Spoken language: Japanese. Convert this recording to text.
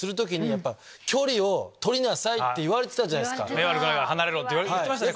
目悪くなるから離れろ！って言ってましたね